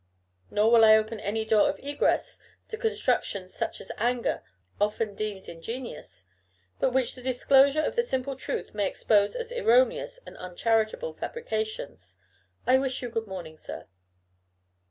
Nor will I open any door of egress to constructions such as anger often deems ingenious, but which the disclosure of the simple truth may expose as erroneous and uncharitable fabrications. I wish you good morning, sir."